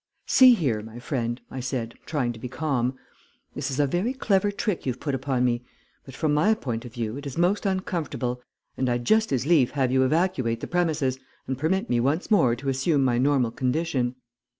"'See here, my friend,' I said, trying to be calm. 'This is a very clever trick you've put upon me, but from my point of view it is most uncomfortable, and I'd just as lief have you evacuate the premises, and permit me once more to assume my normal condition.'